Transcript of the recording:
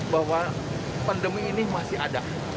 bahwa pandemi ini masih ada